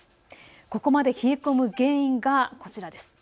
ここまで冷え込む原因がこちらです。